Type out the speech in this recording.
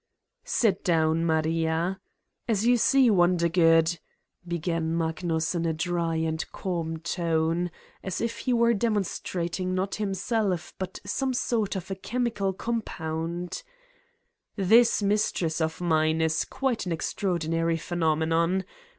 "Sit down, Maria. As you see, Wondergood," began Magnus in a dry and calm tone, as if he were demonstrating not himself but some sort of a chemical compound "this mistress of mine is quite an extraordinary phenomenon.